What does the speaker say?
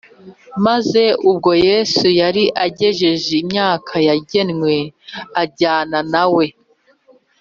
; maze ubwo Yesu yari agejeje imyaka yagenwe, bajyana nawe.